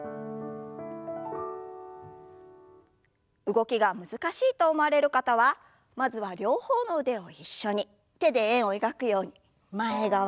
動きが難しいと思われる方はまずは両方の腕を一緒に手で円を描くように前側と後ろ側。